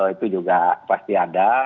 itu juga pasti ada